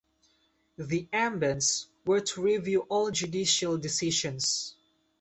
The "ambans" were to review all judicial decisions.